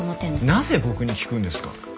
なぜ僕に聞くんですか？